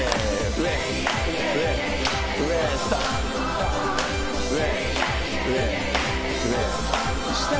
上、上、上、下。